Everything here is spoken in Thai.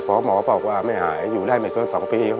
หมอบอกว่าไม่หายอยู่ได้ไม่เกิน๒ปี